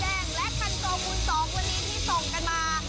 แดงและคันโซคูณสองวันนี้ที่ส่งกันมา